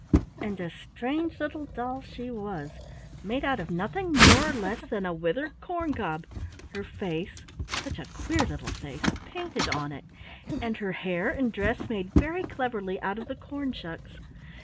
And a strange little doll she was, made out of nothing more or less than a withered corn cob, her face such a queer little face painted on it, and her hair and dress made very cleverly out of the corn shucks.